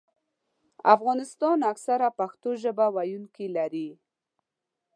افغانستان اکثراً پښتو ژبه ویونکي لري.